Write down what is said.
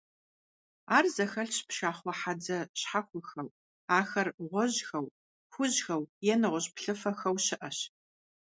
Ар зэхэлъщ пшахъуэ хьэдзэ щхьэхуэхэу, ахэр гъуэжьхэу, хужьхэу е нэгъуэщӀ плъыфэхэу щыӀэщ.